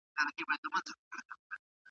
هغه ماشوم چې نېک عمل کوي، په جنت کې وي.